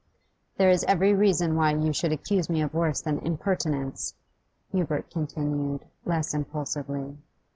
'There is every reason why you should accuse me of worse than impertinence,' Hubert continued, less impulsively.